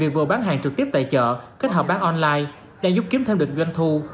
việc vừa bán hàng trực tiếp tại chợ kết hợp bán online đã giúp kiếm thêm được doanh thu